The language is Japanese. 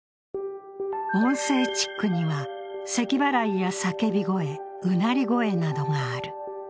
音声チックにはせきばらいや叫び声、うなり声などがある。